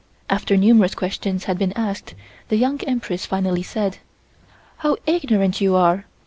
After numerous questions had been asked the Young Empress finally said: "How ignorant you are.